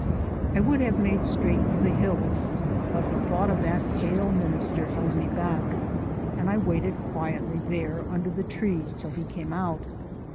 I would have made straight for the hills, but the thought of that pale minister held me back; and I waited quietly there under the trees till he came out.